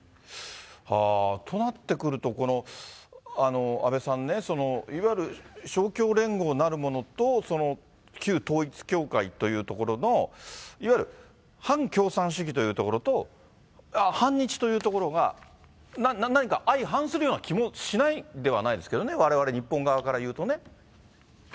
となってくると、阿部さんね、そのいわゆる勝共連合なるものと、旧統一教会というところの、いわゆる反共産主義というところと、反日というところが何か相反するような気もしないでもないですけどね、われわれ日本側から言うとね。